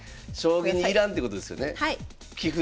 将棋にいらんってことですよね？